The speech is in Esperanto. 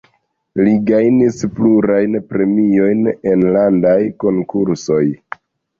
Li gajnis plurajn premiojn en landaj konkursoj.